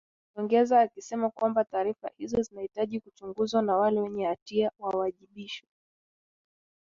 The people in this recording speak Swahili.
aliongeza akisema kwamba taarifa hizo zinahitaji kuchunguzwa na wale wenye hatia wawajibishwe